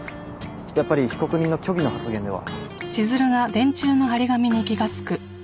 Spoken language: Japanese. やっぱり被告人の虚偽の発言では。